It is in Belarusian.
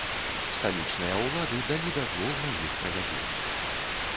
Сталічныя ўлады далі дазвол на іх правядзенне.